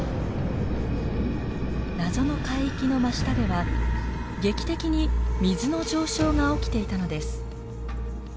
謎の海域の真下では劇的に水の上昇が起きていたのです。